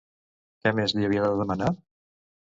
Què més li havia de demanar?